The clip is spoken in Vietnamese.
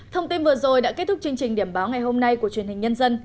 thông tin vừa rồi đã kết thúc chương trình điểm báo ngày hôm nay của truyền hình nhân dân